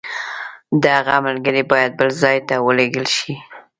د هغه ملګري باید بل ځای ته ولېږل شي.